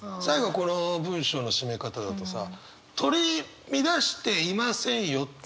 最後この文章の締め方だとさ取り乱していませんよって。